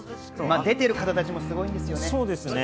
出ている方たちもすごいんですよね。